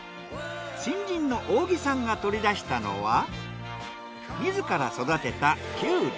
新人の大木さんが取り出したのは自ら育てたキュウリ。